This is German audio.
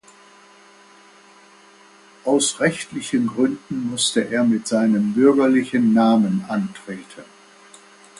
Aus rechtlichen Gründen musste er mit seinem bürgerlichen Namen antreten.